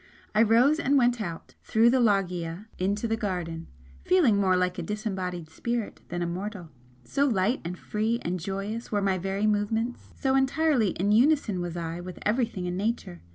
I rose and went out, through the loggia into the garden feeling more like a disembodied spirit than a mortal, so light and free and joyous were my very movements so entirely in unison was I with everything in Nature.